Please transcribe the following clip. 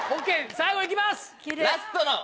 最後行きます！